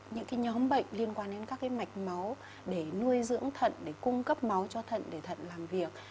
những nhóm bệnh liên quan đến các mạch máu để nuôi dưỡng thận để cung cấp máu cho thận để thận làm việc